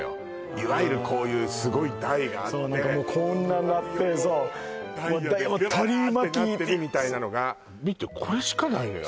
いわゆるこういうすごい台があってこんななってそうもう台を取り巻きってなってるみたいなのが見てこれしかないのよ